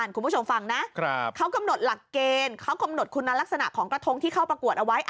คุณผู้ชมฟังนะเขากำหนดหลักเกณฑ์เขากำหนดคุณลักษณะของกระทงที่เข้าประกวดเอาไว้